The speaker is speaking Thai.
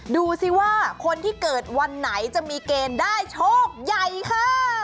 ดูสิว่าคนที่เกิดวันไหนจะมีเกณฑ์ได้โชคใหญ่ค่ะ